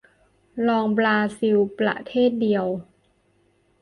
รองบราซิลประเทศเดียว